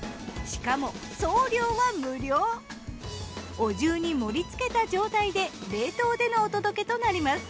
お重に盛りつけた状態で冷凍でのお届けとなります。